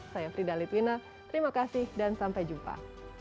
saya frida litwina terima kasih dan sampai jumpa